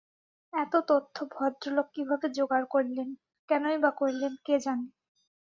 এত তথ্য ভদ্রলোক কীভাবে জোগাড় করলেন, কেনই-বা করলেন কে জানে!